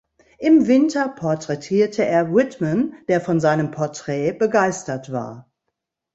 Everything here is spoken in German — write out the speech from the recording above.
Im Winter porträtierte er Whitman, der von seinem Porträt begeistert war.